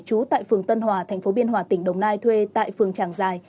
trú tại phường tân hòa thành phố biên hòa tỉnh đồng nai thuê tại phường tràng giài